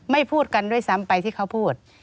ไม่พูดกันซ้ำไปที่เขาพูด